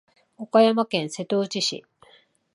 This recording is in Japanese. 岡山県瀬戸内市